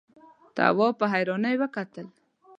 تواب په حيرانۍ وکتل.